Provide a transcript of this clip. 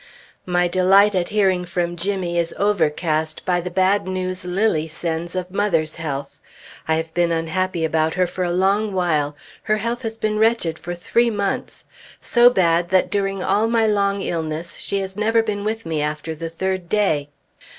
My delight at hearing from Jimmy is overcast by the bad news Lilly sends of mother's health. I have been unhappy about her for a long while; her health has been wretched for three months; so bad, that during all my long illness she has never been with me after the third day.